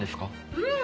うん。